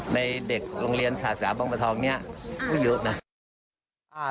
ในเด็กโรงเรียนศาสาบังบะทองนี้ผู้ยุคนะ